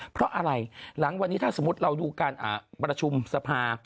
เพราะอะไรหลังวันนี้ถ้าสมมุติเราดูการประชุมสภา